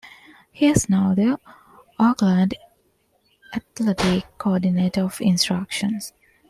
He is now the Oakland Athletics Coordinator of Instruction.